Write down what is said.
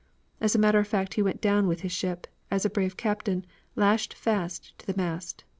As a matter of fact he went down with his ship, as a brave captain, lashed fast to the mast.